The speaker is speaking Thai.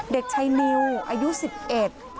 เด็กชายนิวอายุสิบเอ็ด